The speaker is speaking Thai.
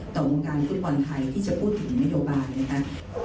วงการฟุตบอลไทยที่จะพูดถึงนโยบายนะคะ